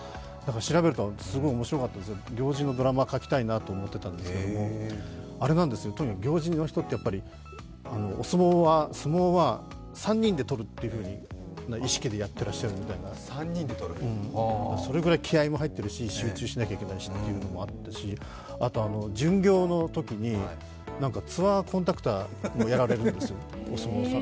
調べるとすごい面白かったですよ、行司のドラマ書きたいなと思っていたんですけれども、とにかく行司の人って、お相撲は３人でとるという意識でやってらっしゃるみたいな、それぐらい気合いも入っているし、集中しなきゃいけないっていうのもあったし、あと巡業のときに、ツアーコンダクターもやられるんですよ。